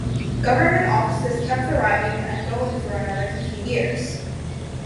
Government offices kept arriving and going for another fifty years.